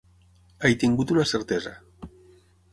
He tingut una certesa.